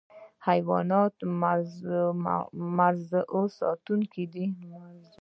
حیوانات د مزرعو ساتونکي دي.